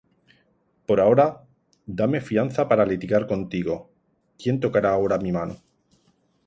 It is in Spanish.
Pon ahora, dame fianza para litigar contigo: ¿Quién tocará ahora mi mano?